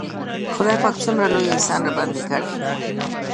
خداى پاک څومره لوى احسان راباندې کړى.